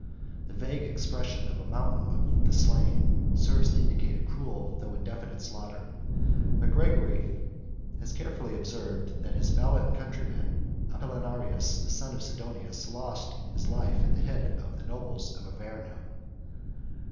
The vague expression of a mountain of the slain, serves to indicate a cruel though indefinite slaughter; but Gregory has carefully observed, that his valiant countryman Apollinaris, the son of Sidonius, lost his life at the head of the nobles of Auvergne.